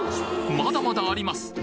まだまだあります！